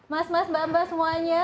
mas mas mbak mbak semuanya